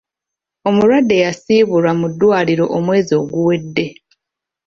"Omulwadde yasiibulwa mu ddwaliro omwezi oguwedde.